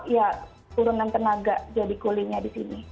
ya turunan tenaga jadi kulinya di sini